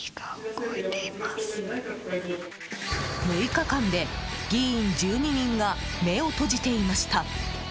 ６日間で、議員１２人が目を閉じていました。